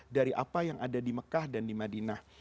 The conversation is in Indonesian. dari apa yang ada di mekah dan di madinah